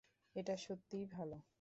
এটা সত্যিই ভালো।